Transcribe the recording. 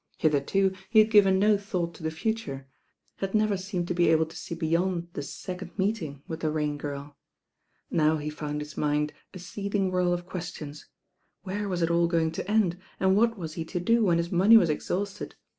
Hitherto he had given no thought to the future, had never seemed to be able to see beyond the second meeting with the Kam Girl. Now he found his mind a seething whirl of questions. Where was it all going to end, and what was he to do when his money was ex. hausted?